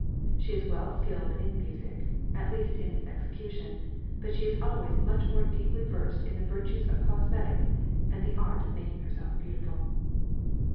She is well skilled in music, at least in its execution; but she is always much more deeply versed in the virtues of cosmetics, and in the art of making herself beautiful.